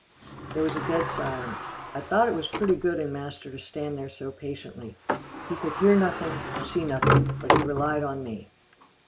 There was a dead silence. I thought it was pretty good in master to stand there so patiently. He could hear nothing, see nothing, but he relied on me.